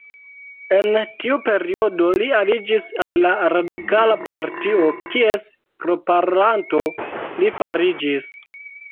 En tiu periodo, li aliĝis al la Radikala Partio, kies proparolanto li fariĝis.